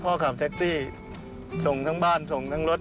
ขับแท็กซี่ส่งทั้งบ้านส่งทั้งรถ